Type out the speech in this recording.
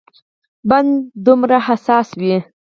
بنده دومره حساس وي.